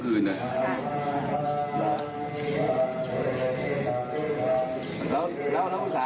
เมื่อวานแบงค์อยู่ไหนเมื่อวาน